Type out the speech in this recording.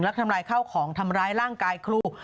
และทำลายข้าวของทำร้ายร่างกายครู